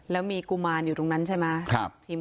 แล้วมีกุมารอยู่ตรงนั้นใช่ไหม